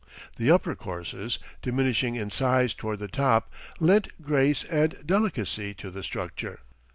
The upper courses, diminishing in size toward the top, lent grace and delicacy to the structure.